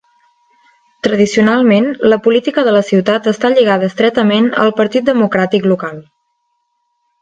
Tradicionalment, la política de la ciutat està lligada estretament al Partit Democràtic Local.